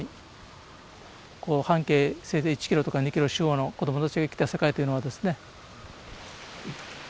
半径せいぜい１キロとか２キロ四方の子供たちが生きた世界というのはですね。